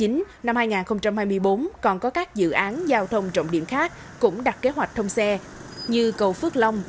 năm hai nghìn hai mươi bốn còn có các dự án giao thông trọng điểm khác cũng đặt kế hoạch thông xe như cầu phước long